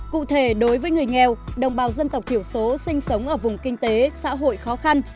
cụ thể đối với người nghèo đồng bào dân tộc thiểu số sinh sống ở vùng kinh tế xã hội khó khăn